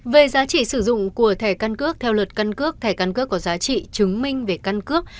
về giá trị sử dụng của thẻ căn cước theo luật căn cước thẻ căn cước có giá trị chứng minh về căn cước